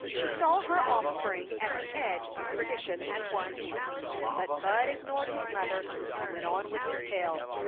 She saw her offspring at the edge of perdition at once. But Bud ignored his mother and went on with his tale.